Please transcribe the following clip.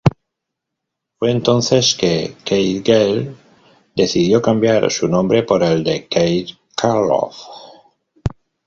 Fue entonces que "Keith Gale" decidió cambiar su nombre por el de "Keith Karloff".